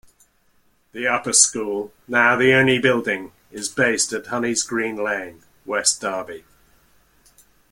The upper school, now the only building, is based at "Honeysgreen Lane", West Derby.